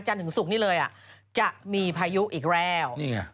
จันทร์ถึงศุกร์นี่เลยอ่ะจะมีพายุอีกแล้วนี่ไง